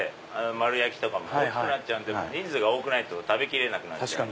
丸焼きとか大きくなっちゃうので人数が多くないと食べきれない。